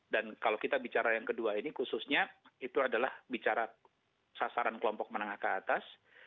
dan kalau kita bicara yang kedua ini khususnya itu adalah bicara sasaran kelompok menengah keatas